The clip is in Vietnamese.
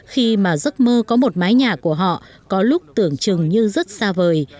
khi mà giấc mơ có một mái nhà của họ có lúc tưởng chừng như rất xa vời